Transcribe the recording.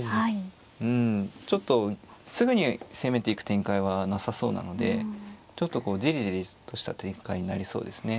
うんちょっとすぐに攻めていく展開はなさそうなのでちょっとこうじりじりとした展開になりそうですね。